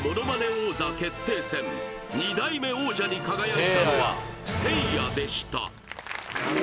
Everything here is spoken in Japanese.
王座決定戦２代目王者に輝いたのはせいやでしたえ